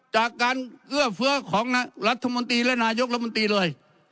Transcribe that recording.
จากการเอื้อเฟื้อของรัฐมนตรีและนายกรัฐมนตรีเลย